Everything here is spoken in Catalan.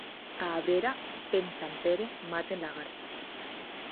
A Abrera, per Sant Pere maten la garsa.